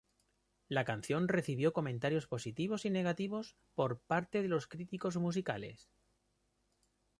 La canción recibió comentarios positivos y negativos por parte de los críticos musicales.